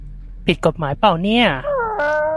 ผิดกฎหมายป่าวเนี่ย